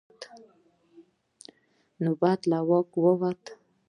نوبت له واکه ووت.